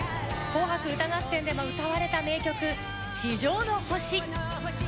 『紅白歌合戦』でも歌われた名曲。